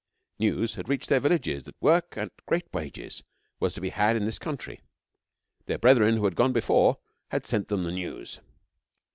News had reached their villages that work at great wages was to be had in this country. Their brethren who had gone before had sent them the news.